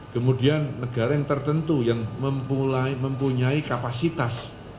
kemudian negara yang tertentu yang mempunyai kapasitas